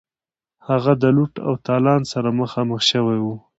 هغه د لوټ او تالان سره مخامخ شوی وای.